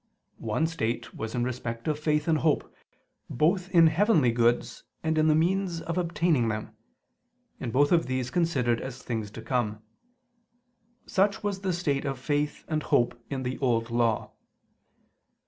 One state was in respect of faith and hope, both in heavenly goods, and in the means of obtaining them in both of these considered as things to come. Such was the state of faith and hope in the Old Law.